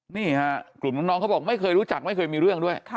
นี่ฮะกลุ่มน้องเขาบอกไม่เคยรู้จักไม่เคยมีเรื่องด้วย